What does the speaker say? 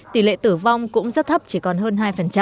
tỷ lệ tử vong cũng rất thấp chỉ còn hơn hai